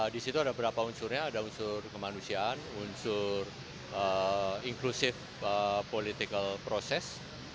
di situ ada beberapa unsurnya ada unsur kemanusiaan unsur inclusive political process